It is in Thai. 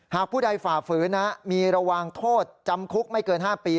ผู้ใดฝ่าฝืนมีระวังโทษจำคุกไม่เกิน๕ปี